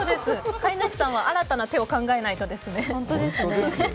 飼い主さんは新たな手を考えないとですね。